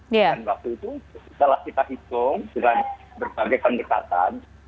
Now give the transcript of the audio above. dan waktu itu setelah kita hitung dengan berbagai pengekatan